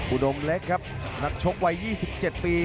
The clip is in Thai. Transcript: อุดมเล็กครับนักชกวัย๒๗ปี